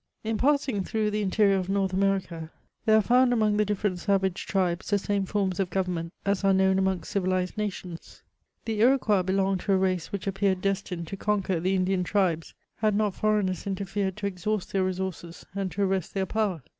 In passing through the interior of North America, there are found among the different savage tribes the same forms of govern* ment as are known amongst civilised nations. The Iroquois belonged to a race which appeared destined to conquer the Indian tribes, had not foreigners interfered to exhaust their resources and to arrest their power.